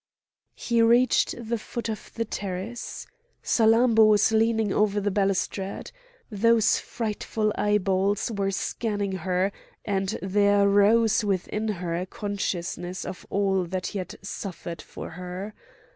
He reached the foot of the terrace. Salammbô was leaning over the balustrade; those frightful eyeballs were scanning her, and there rose within her a consciousness of all that he had suffered for her.